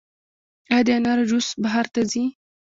آیا د انارو جوس بهر ته ځي؟